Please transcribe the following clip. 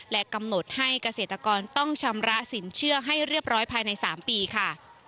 และกำหนดให้เกษตรกรต้องชำระสินเชื่อให้เรียบร้อยภายใน๓ปีค่ะ